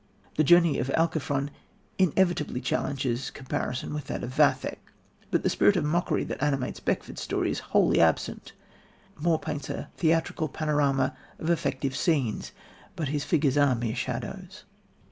The journey of Alciphron inevitably challenges comparison with that of Vathek, but the spirit of mockery that animates Beckford's story is wholly absent. Moore paints a theatrical panorama of effective scenes, but his figures are mere shadows.